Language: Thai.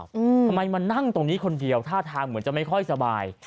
ทำไมมานั่งตรงนี้คนเดียวท่าทางเหมือนจะไม่ค่อยสบาย